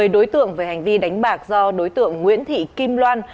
một mươi đối tượng về hành vi đánh bạc do đối tượng nguyễn thị kim loan